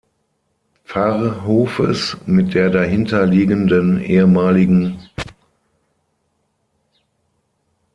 Pfarrhofes mit der dahinter liegenden ehem.